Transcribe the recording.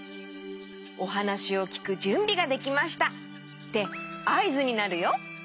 おはなしをきくじゅんびができましたってあいずになるよ。